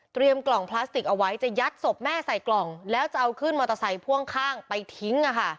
กล่องพลาสติกเอาไว้จะยัดศพแม่ใส่กล่องแล้วจะเอาขึ้นมอเตอร์ไซค์พ่วงข้างไปทิ้ง